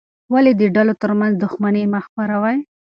ولې د ډلو ترمنځ دښمني مه خپروې؟